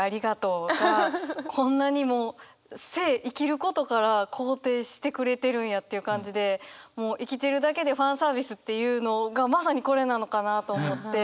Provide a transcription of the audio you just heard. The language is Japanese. こんなにも生生きることから肯定してくれてるんやっていう感じでもう生きてるだけでファンサービスっていうのがまさにこれなのかなと思って。